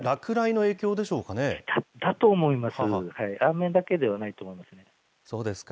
だと思います。